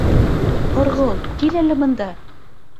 — Һорғолт, кил әле бында!